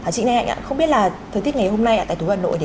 chị đinh hạnh ạ không biết là thời tiết ngày hôm nay tại thú văn nội